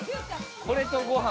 これとご飯。